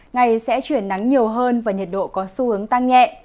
ngày sẽ chuyển nắng nhiều hơn và nhiệt độ có xu hướng tăng nhẹ